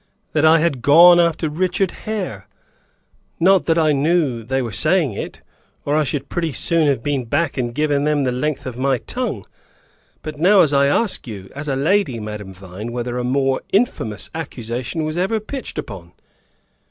That I had gone after Richard Hare. Not that I knew they were saying it, or I should pretty soon have been back and given them the length of my tongue. But now I just ask you, as a lady, Madame Vine, whether a more infamous accusation was ever pitched upon?"